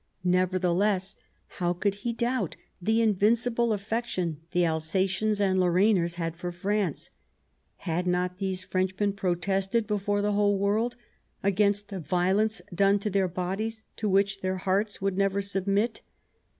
Nevertheless, how could he doubt the invincible affection the Alsatians and Lorrainers had for France ? Had not these French men protested, before the whole world, against the violence done to their bodies, to which their hearts would never submit